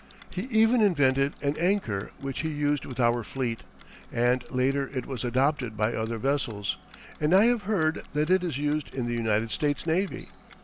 He even invented an anchor which he used with our fleet, and later it was adopted by other vessels, and I have heard that it is used in the United States Navy.